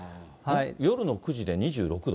夜の９時で２６度？